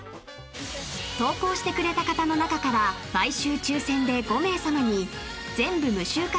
［投稿してくれた方の中から毎週抽選で５名さまに全部無臭化